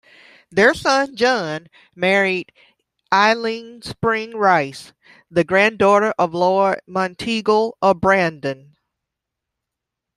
Their son John married Aileen Spring Rice, the granddaughter of Lord Monteagle of Brandon.